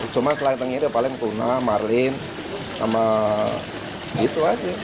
cuma selain tenggiri paling puna marlin sama gitu aja